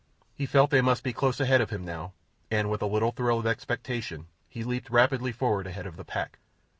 He felt they must be close ahead of him now, and, with a little thrill of expectation, he leaped rapidly forward ahead of the pack.